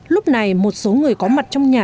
lúc này một số người có mặt trong nhà